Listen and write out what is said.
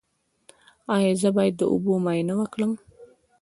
ایا زه باید د اوبو معاینه وکړم؟